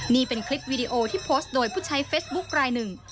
นี่เป็นคลิปวีดีโอที่โพสต์โดยผู้ใช้เฟซบุ๊คลายหนึ่ง